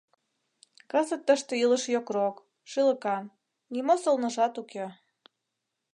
Кызыт тыште илыш йокрок, шӱлыкан, нимо сылныжат уке.